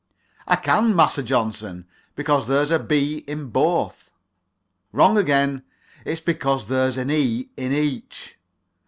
"I can, Massa Johnson. Because there's a 'b' in both." "Wrong again. It's because there's an 'e' in each."